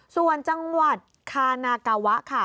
ส่วนจังหวัดคานากาวะค่ะ